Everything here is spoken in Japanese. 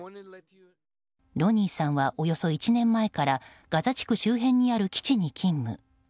ロニーさんはおよそ１年前からガザ地区周辺にある基地に勤務。